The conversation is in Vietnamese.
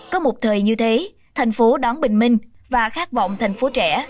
có một thời như thế thành phố đón bình minh và khát vọng thành phố trẻ